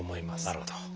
なるほど。